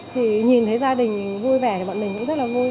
thì nhìn thấy gia đình vui vẻ thì bọn mình cũng rất là vui